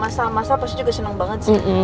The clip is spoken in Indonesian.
masa masa pasti juga seneng banget sih